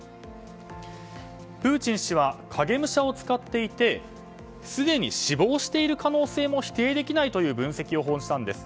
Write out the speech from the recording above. プーチン氏は影武者を使っていてすでに死亡している可能性も否定できないという分析を報じたんです。